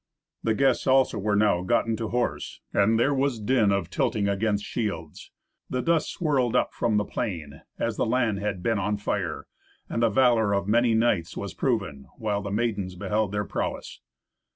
The guests also were now gotten to horse, and there was din of tilting against shields. The dust swirled up from the plain, as the land had been on fire, and the valour of many knights was proven, while the maidens beheld their prowess.